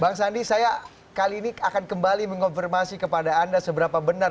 bang sandi saya kali ini akan kembali mengonfirmasi kepada anda seberapa benar